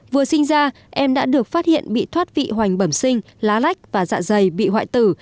vừa sinh ra em đã được phát hiện bị thoát vị hoành bẩm sinh lá lách và dạ dày bị hoại tử